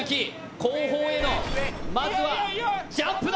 後方への、まずはジャンプだ。